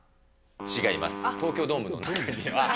違います。